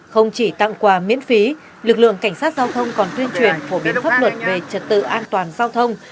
không chỉ tặng quà miễn phí lực lượng cảnh sát giao thông còn tuyên truyền phổ biến pháp luật về trật tự an toàn giao thông